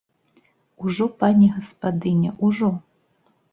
Ужо, пані гаспадыня, ужо!